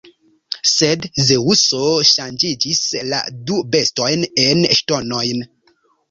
Sed Zeŭso ŝanĝiĝis la du bestojn en ŝtonojn.